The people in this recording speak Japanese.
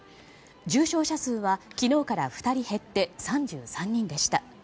重症者数は昨日から２人減って３３人でした。